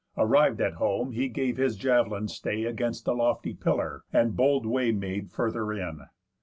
Arriv'd at home, he gave his jav'lin stay Against a lofty pillar, and bold way Made further in.